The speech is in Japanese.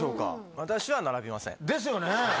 私は並びません。ですよね。